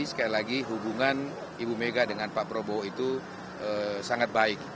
sekali lagi hubungan ibu mega dengan pak prabowo itu sangat baik